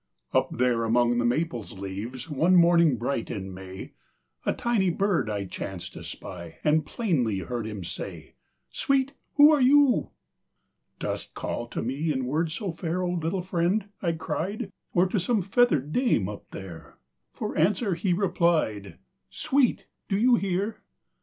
Up there among the maple's leaves, One morning bright in May, A tiny bird I chanced to spy, And plainly heard him say: "Sweet, who are you?" "Dost call to me, in words so fair, O little friend?" I cried; "Or to some feathered dame up there?" For answer he replied: "Sweet, do you hear?"